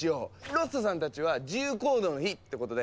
ロッソさんたちは自由行動の日ってことで。